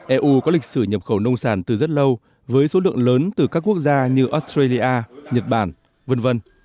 eu có lịch sử nhập khẩu nông sản từ rất lâu với số lượng lớn từ các quốc gia như australia nhật bản v v